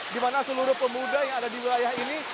di mana seluruh pemuda yang ada di wilayah ini